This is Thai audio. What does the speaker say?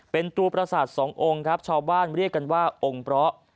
เป็นตัวประสาทสององค์ครับชาวบ้านเรียกกันว่าองค์เพราะ